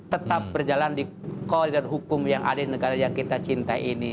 tetap berjalan di koridor hukum yang ada di negara yang kita cintai ini